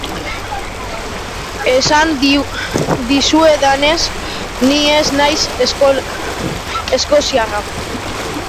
Esan dizuedanez, ni ez naiz eskoziarra.